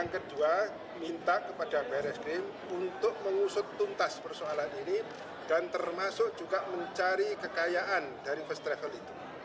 ketiga meminta kepada barres krim untuk mengusut tuntas persoalan ini dan termasuk juga mencari kekayaan dari first travel itu